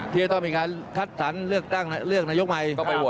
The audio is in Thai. ที่จะต้องมีการคัดสรรค์ทานเรือกนายกใหม่